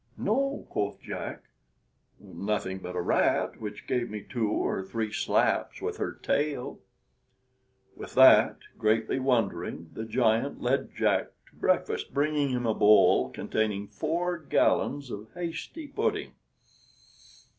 "No," quoth Jack, "nothing but a rat, which gave me two or three slaps with her tail." With that, greatly wondering, the giant led Jack to breakfast, bringing him a bowl containing four gallons of hasty pudding.